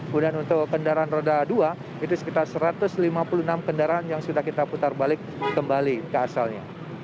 kemudian untuk kendaraan roda dua itu sekitar satu ratus lima puluh enam kendaraan yang sudah kita putar balik kembali ke asalnya